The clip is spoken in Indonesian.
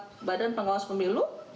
ini adalah badan pengawas pemilu